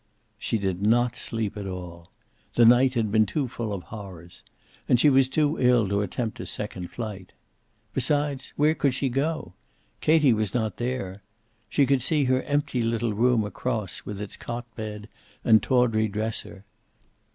She did not sleep at all. The night had been too full of horrors. And she was too ill to attempt a second flight. Besides, where could she go? Katie was not there. She could see her empty little room across, with its cot bed and tawdry dresser.